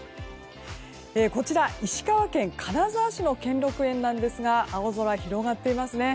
こちら、石川県金沢市の兼六園なんですが青空広がっていますね。